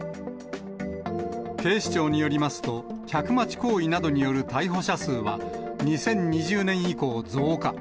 警視庁によりますと、客待ち行為などによる逮捕者数は、２０２０年以降、増加。